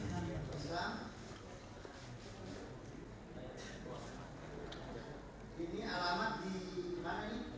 saya berdoa untuk semua yang bersama sama